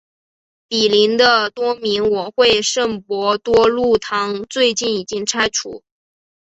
毗邻的多明我会圣伯多禄堂最近已经拆除。